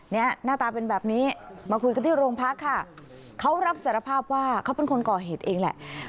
หน้าตาเป็นแบบนี้มาคุยกันที่โรงพักค่ะเขารับสารภาพว่าเขาเป็นคนก่อเหตุเองแหละ